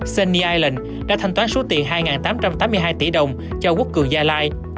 sen niland đã thanh toán số tiền hai tám trăm tám mươi hai tỷ đồng cho quốc cường gia lai